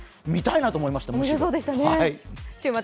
見たいなと思いました、むしろ。